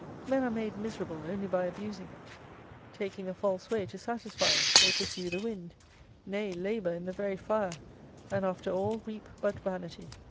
Men are made miserable only by abusing it. Taking a false way to satisfy it, they pursue the wind : nay, labour in the very fire, and after all reap but vanity.